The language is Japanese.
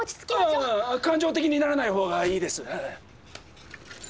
感情的にならないほうがいいです。